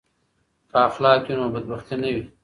که اخلاق وي نو بدبختي نه وي.